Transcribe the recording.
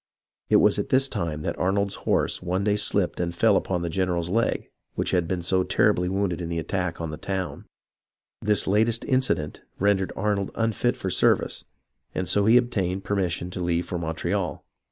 It was at this time that Arnold's horse one day slipped and fell upon the general's leg which had been so terribly wounded in the attack on the town. This latest accident rendered Arnold unfit for service, and so he obtained permission to leave for Montreal.